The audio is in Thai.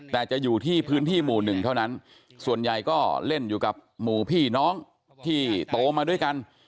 แต่จะอยู่ที่พื้นที่หมู่หนึ่งเท่านั้นส่วนใหญ่ก็เล่นอยู่กับหมู่พี่น้องที่โตมาด้วยกัน